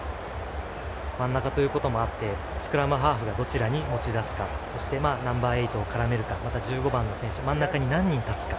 真ん中ということもあってスクラムハーフがどちらに持ち出すかそして、ナンバーエイトに絡めるか選手が何人立てるか。